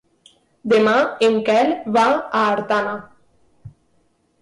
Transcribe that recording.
Demà en Quel va a Artana.